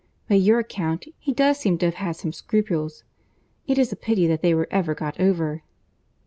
By your account, he does seem to have had some scruples. It is a pity that they were ever got over."